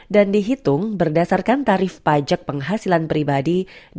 dan dihitung berdasarkan tarif pajak penghasilan pribadi